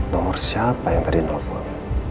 nomor siapa yang tadi novel